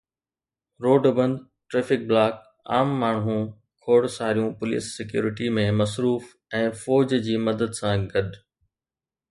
Road بند، traffic block, عام ماڻهو کوڙ ساريون پوليس سيڪيورٽي ۾ مصروف ۽ فوج جي مدد سان گڏ.